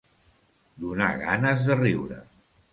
Donar ganes de riure.